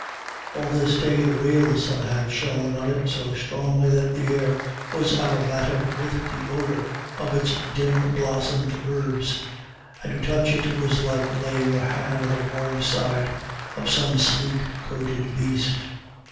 All this day the real sun had shone on it so strongly that the air was aromatic with the odour of its dim blossomed herbs, and to touch it was like laying your hand on the warm side of some sleek coated beast.